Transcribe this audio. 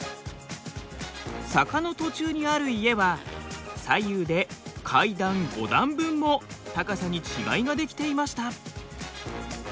坂の途中にある家は左右で階段５段分も高さに違いが出来ていました。